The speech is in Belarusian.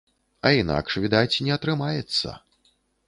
А інакш, відаць, не атрымаецца.